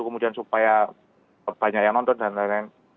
kemudian supaya banyak yang nonton dan lain lain